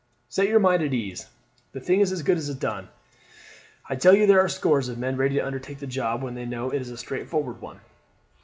"Set your mind at ease; the thing is as good as done. I tell you there are scores of men ready to undertake the job when they know it is a straightforward one."